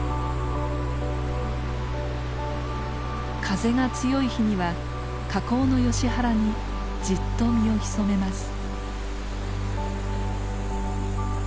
風が強い日には河口のヨシ原にじっと身を潜めます。